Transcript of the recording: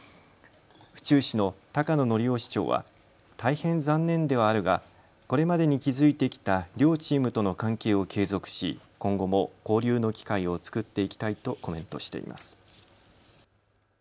府中市の高野律雄市長は大変残念ではあるがこれまでに築いてきた両チームとの関係を継続し今後も交流の機会を作っていきたいとコメントしています。